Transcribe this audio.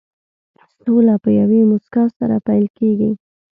سوله په یوې موسکا سره پيل کېږي.